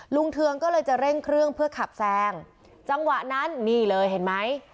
เทืองก็เลยจะเร่งเครื่องเพื่อขับแซงจังหวะนั้นนี่เลยเห็นไหม